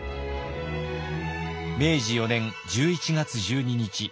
明治４年１１月１２日。